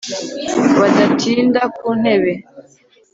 Badatinda ku ntebe